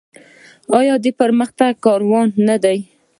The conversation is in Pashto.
آیا د پرمختګ کاروان نه دی؟